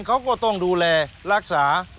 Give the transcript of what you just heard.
เขาก็ต้องดูแลรักษา